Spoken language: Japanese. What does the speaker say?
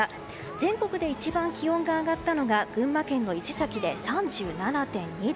全国で一番気温が上がったのが群馬県の伊勢崎で３７．２度。